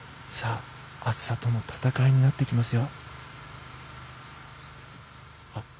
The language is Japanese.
暑さとの戦いになってきますよ。